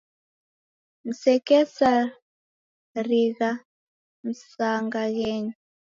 Msekesarigha msangaghenyi